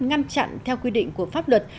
ngăn chặn theo quy định của pháp luật